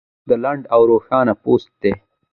دا لنډ او روښانه پوسټ دی